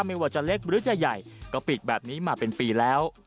ไม่ว่าจะเล็กหรือจะใหญ่ก็ปิดแบบนี้มาเป็นปีแล้ว